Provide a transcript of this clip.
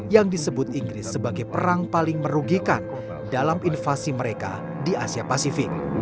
yang disebut inggris sebagai perang paling merugikan dalam invasi mereka di asia pasifik